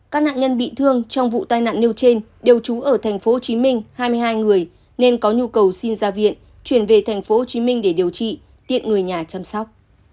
các nạn nhân bị thương trong vụ tai nạn nêu trên đều trú ở tp hcm hai mươi hai người nên có nhu cầu xin ra viện chuyển về tp hcm để điều trị tiện người nhà chăm sóc